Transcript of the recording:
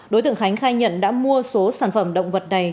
đối tượng khánh khai nhận đã mua số sản phẩm động vật này